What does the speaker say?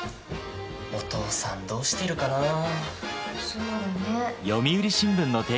お父さんどうしてるかな？